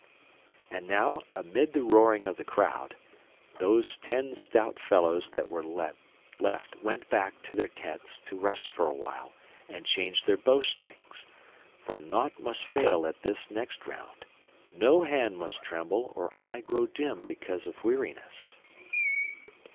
And now, amid the roaring of the crowd, those ten stout fellows that were left went back to their tents to rest for a while and change their bowstrings, for nought must fail at this next round, and no hand must tremble or eye grow dim because of weariness.